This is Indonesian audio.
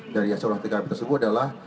dari acara tkp tersebut adalah